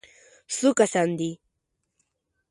_څو کسان دي؟